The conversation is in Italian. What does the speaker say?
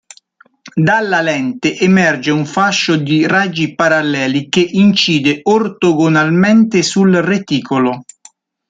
Dalla lente emerge un fascio di raggi paralleli che incide ortogonalmente sul reticolo.